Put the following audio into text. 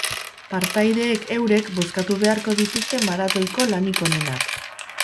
Partaideek eurek bozkatu beharko dituzte maratoiko lanik onenak